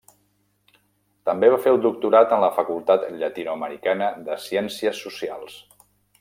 També va fer el doctorat en la Facultat Llatinoamericana de Ciències Socials.